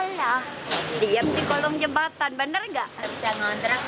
lalu dia di kolong jembatan benar nggak